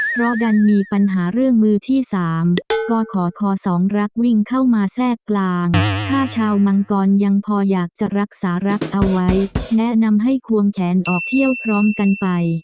เพราะดันมีปัญหาเรื่องมือที่สามก็ขอคอสองรักวิ่งเข้ามาแทรกกลางถ้าชาวมังกรยังพออยากจะรักษารักเอาไว้แนะนำให้ควงแขนออกเที่ยวพร้อมกันไป